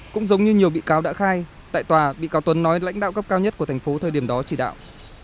cũng giống như nhiều bị cáo đã khai tại tòa bị cáo tuấn nói lãnh đạo cấp cao nhất của thành phố thời điểm đó chỉ đạo